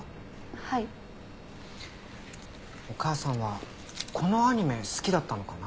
お母さんはこのアニメ好きだったのかな？